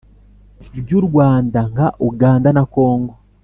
byu Rwanda nka Uganda na congo